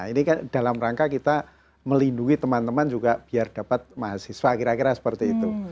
ini kan dalam rangka kita melindungi teman teman juga biar dapat mahasiswa kira kira seperti itu